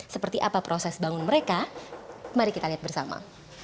seperti apa proses bangun mereka mari kita lihat bersama